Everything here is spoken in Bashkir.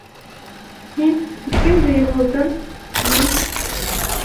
Һин киттең дә юғалдың, мин...